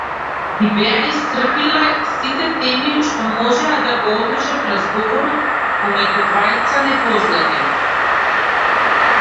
Ги беа исцрпиле сите теми што можеа да го одржат разговорот помеѓу двајца непознати.